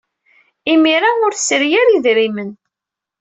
Imir-a, ur tesri ara idrimen.